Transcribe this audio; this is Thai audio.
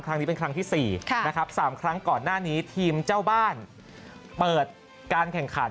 ครั้งนี้เป็นครั้งที่๔นะครับ๓ครั้งก่อนหน้านี้ทีมเจ้าบ้านเปิดการแข่งขัน